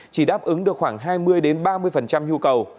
chỉ đáp ứng được khoảng hai mươi ba mươi nhu cầu